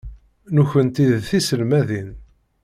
Nekkenti d tiselmadin.